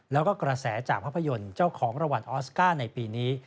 แล้วก็กระแสจากภาพยนตร์เจ้าของรางวัลออสการ์ในปีนี้